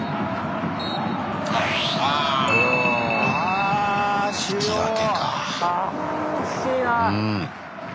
あ引き分けか。